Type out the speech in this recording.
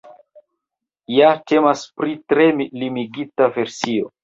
Ja temas pri tre limigita versio.